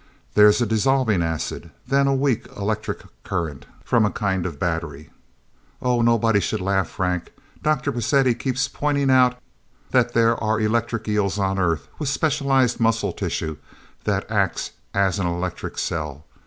There's a dissolving acid then a weak electric current from a kind of battery... Oh, nobody should laugh, Frank Dr. Pacetti keeps pointing out that there are electric eels on Earth, with specialized muscle tissue that acts as an electric cell...